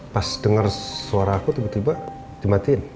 pas dengar suara aku tiba tiba dimatiin